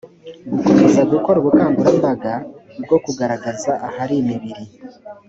gukomeza gukora ubukangurambaga bwo kugaragaza ahari imibiri